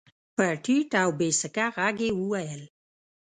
په ټيټ او بې سېکه غږ يې وويل.